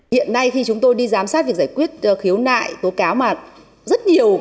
hiện nay khi chúng tôi đi giám sát việc giải quyết khiếu nại tố cáo mà rất nhiều